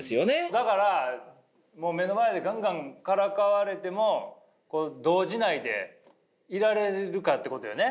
だからもう目の前でガンガンからかわれても動じないでいられるかってことよね。